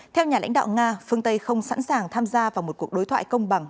theo nhà lãnh đạo nga phương tây không sẵn sàng tham gia vào một cuộc đối thoại công bằng